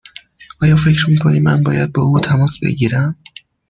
آیا فکر می کنی من باید با او تماس بگیرم؟